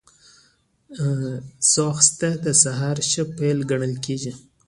ځغاسته د سهار ښه پيل ګڼل کېږي